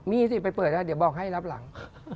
มีสิไปเปิดแล้วเดี๋ยวบอกให้รับหลัง